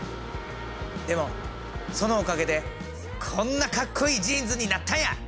でもそのおかげでこんなかっこいいジーンズになったんや！